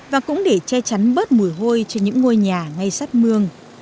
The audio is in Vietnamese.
và cũng để che chắn bớt mùi hôi cho những ngôi nhà ngay sát mương